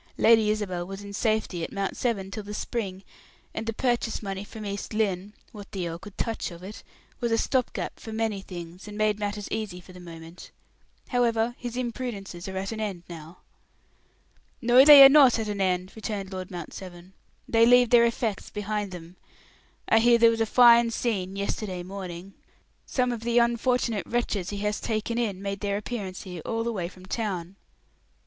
"Lady Isabel was in safety at Mount Severn till the spring, and the purchase money from East Lynne what the earl could touch of it was a stop gap for many things, and made matters easy for the moment. However, his imprudences are at an end now." "No, they are not at an end," returned Lord Mount Severn; "they leave their effects behind them. I hear there was a fine scene yesterday morning; some of the unfortunate wretches he has taken in made their appearance here, all the way from town."